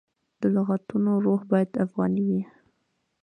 د لغتونو روح باید افغاني وي.